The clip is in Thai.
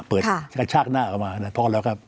กระชากหน้าออกมาพอแล้วครับ